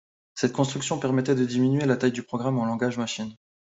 Cette construction permettait de diminuer la taille du programme en langage machine.